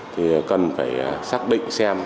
thì cần phải xác định xem